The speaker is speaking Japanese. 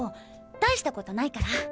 たいしたことないから。